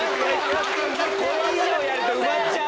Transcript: これ以上やると埋まっちゃう！